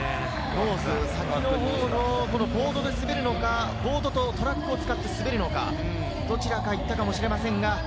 ノーズ、先のほうのボードで滑るのか、ボードとトラックを使って滑るのか、どちらかいったかもしれません。